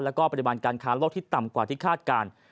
และปฏิบันการค้าลดที่ต่ำกว่าที่คาดการณ์